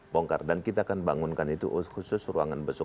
bongkar dan kita akan bangunkan itu khusus ruangan besok